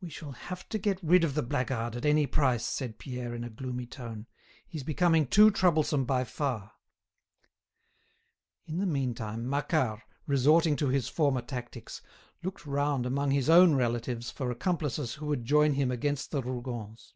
"We shall have to get rid of the blackguard at any price," said Pierre in a gloomy tone. "He's becoming too troublesome by far." In the meantime, Macquart, resorting to his former tactics, looked round among his own relatives for accomplices who would join him against the Rougons.